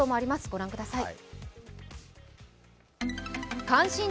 御覧ください。